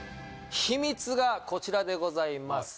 秘密がこちらでございます